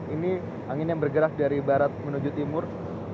ini angin yang bergerak dari barat menuju timur